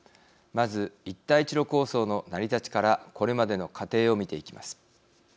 まず一帯一路構想の成り立ちからこれまでの過程を見ていきます。